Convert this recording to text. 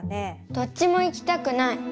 どっちも行きたくない。